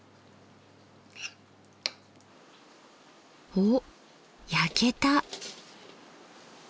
おっ焼けた！